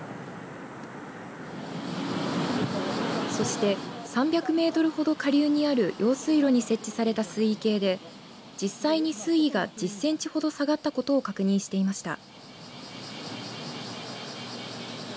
そして３００メートルほど下流にある用水路に設置された水位計で実際に水位が１０センチほど下がったことを確認していました。